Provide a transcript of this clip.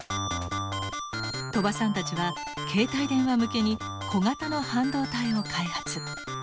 鳥羽さんたちは携帯電話向けに小型の半導体を開発。